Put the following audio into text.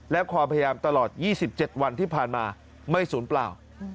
และความพยายามตลอด๒๗วันที่ผ่านมาไม่ศูนย์เปล่า